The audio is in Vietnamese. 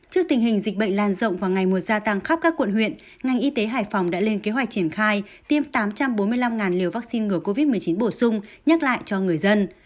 trước tình hình dịch bệnh lan rộng và ngày mùa gia tăng khắp các quận huyện ngành y tế hải phòng đã lên kế hoạch triển khai tiêm tám trăm bốn mươi năm liều vaccine ngừa covid một mươi chín bổ sung nhắc lại cho người dân